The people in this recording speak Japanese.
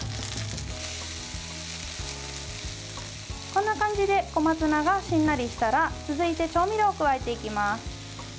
こんな感じで小松菜がしんなりしたら続いて調味料を加えていきます。